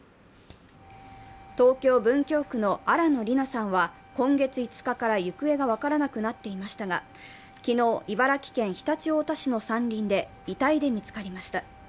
東京・文京区の新野りなさんは今月５日から行方が分からなくなっていましたが昨日、茨城県常陸太田市の山林で遺体で見つかりました。